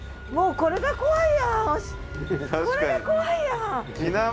これが怖いやん。